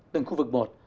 từng khu vực một